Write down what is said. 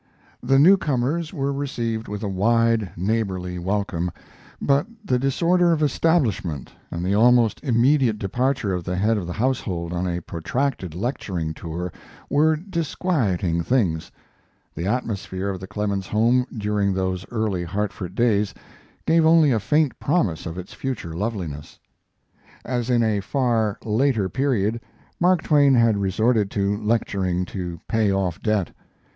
The newcomers were received with a wide, neighborly welcome, but the disorder of establishment and the almost immediate departure of the head of the household on a protracted lecturing tour were disquieting things; the atmosphere of the Clemens home during those early Hartford days gave only a faint promise of its future loveliness. As in a far later period, Mark Twain had resorted to lecturing to pay off debt.